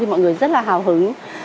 mọi người rất là hào hứng